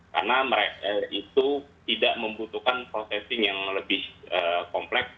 karena itu tidak membutuhkan processing yang lebih kompleks